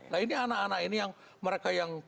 nah ini anak anak ini yang mereka yang